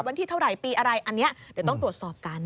วันที่เท่าไหร่ปีอะไรอันนี้เดี๋ยวต้องตรวจสอบกัน